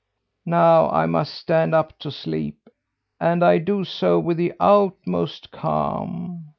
Now I must stand up to sleep and I do so with the utmost calm.